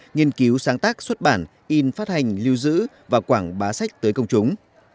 nghiên cứu sáng tác xuất bản in phát hành lưu giữ và quảng bá sách tới công chúng